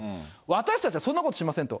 私たちはそんなことしませんと。